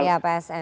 ya pak hasan